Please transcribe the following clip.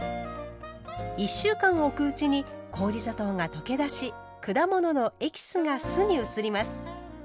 １週間おくうちに氷砂糖が溶け出し果物のエキスが酢に移ります。